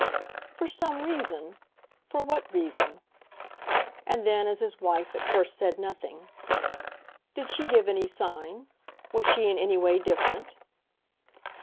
"For 'some' reason? For what reason?" And then, as his wife at first said nothing: "Did she give any sign? Was she in any way different?"